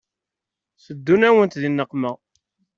Teddunt-awent di nneqma.